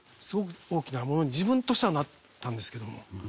すごく大きなものに自分としてはなったんですけども。